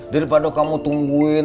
daripada kamu tungguin